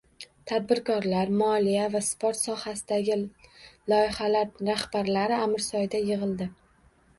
Tadbirkorlar, moliya va sport sohasidagi loyihalar rahbarlari "Amirsoy"da yig‘ildi